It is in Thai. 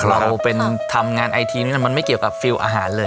เราเป็นทำงานไอทีนี้มันไม่เกี่ยวกับฟิลล์อาหารเลย